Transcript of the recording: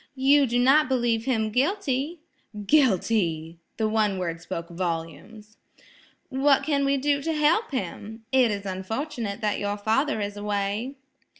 "You do not believe him guilty?" "Guilty!" the one word spoke volumes. "What can we do to help him? It is unfortunate that your father is away."